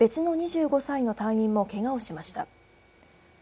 別の２５歳の隊員もけがをしました。